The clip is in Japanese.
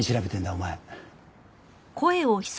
お前。